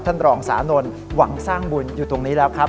ท่านรองสานนท์หวังสร้างบุญอยู่ตรงนี้แล้วครับ